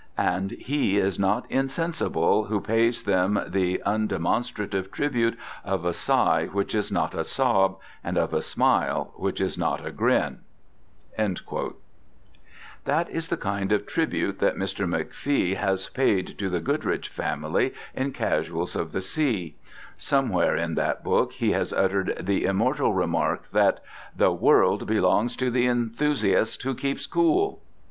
And he is not insensible who pays them the undemonstrative tribute of a sigh which is not a sob, and of a smile which is not a grin." That is the kind of tribute that Mr. McPee has paid to the Gooderich family in Casuals of the Sea. Somewhere in that book he has uttered the immortal remark that "The world belongs to the Enthusiast who keeps cool."